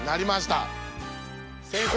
先生